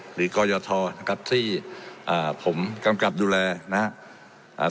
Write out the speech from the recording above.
หรือกรยธทรนะครับที่ผมกำกัดดูแลนะครับ